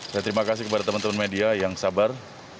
saya terima kasih kepada teman teman media yang sabar